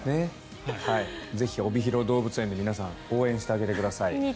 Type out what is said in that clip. ぜひ、おびひろ動物園で皆さん応援してあげてください。